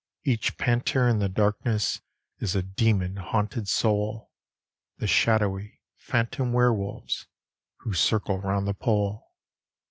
Each panter in the darkness Is a demon haunted soul, The shadowy, phantom were wolves, Who circle round the Pole.